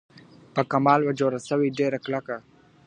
په کمال وه جوړه سوې ډېره کلکه .